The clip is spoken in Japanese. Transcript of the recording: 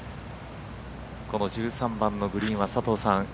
この１３番のグリーンは佐藤さん